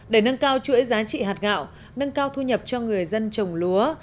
để nâng cao chuỗi giá trị hạt gạo nâng cao thu nhập cho người dân trồng lúa